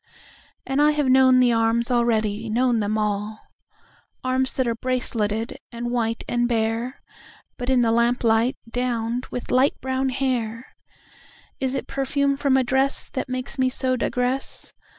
And I have known the arms already, known them all—Arms that are braceleted and white and bare(But in the lamplight, downed with light brown hair!)Is it perfume from a dressThat makes me so digress?